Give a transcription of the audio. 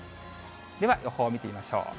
では、予報を見てみましょう。